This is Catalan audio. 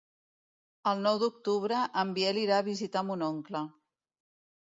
El nou d'octubre en Biel irà a visitar mon oncle.